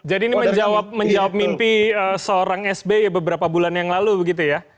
jadi ini menjawab mimpi seorang spi beberapa bulan yang lalu begitu ya